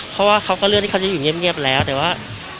เพราะว่าเขาก็เลือกที่เขาจะอยู่เงียบแล้วแต่ว่า